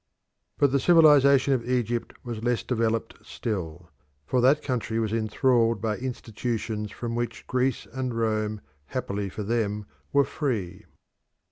But the civilisation of Egypt was less developed still, for that country was enthralled by institutions from which Greece and Rome, happily for them, were free.